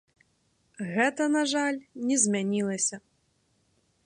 Гэта, на жаль, не змянілася.